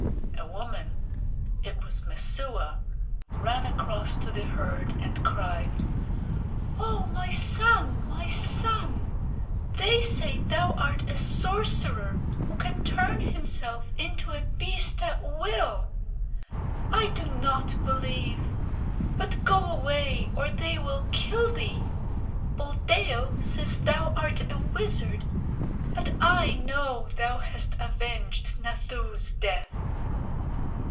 A woman it was Messua ran across to the herd, and cried: "Oh, my son, my son! They say thou art a sorcerer who can turn himself into a beast at will. I do not believe, but go away or they will kill thee. Buldeo says thou art a wizard, but I know thou hast avenged Nathoo's death."